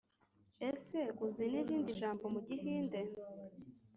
Ese uzi n’irindi jambo mu gihinde